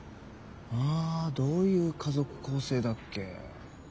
あどういう家族構成だっけ。